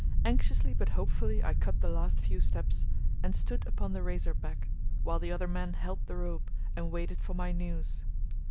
Anxiously but hopefully I cut the last few steps and stood upon the razor back, while the other men held the rope and waited for my news.